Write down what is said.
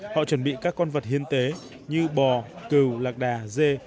họ chuẩn bị các con vật hiên tế như bò cừu lạc đà dê